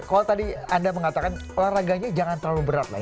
kalau tadi anda mengatakan olahraganya jangan terlalu berat lah ya